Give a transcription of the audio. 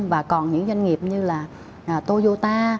và còn những doanh nghiệp như là toyota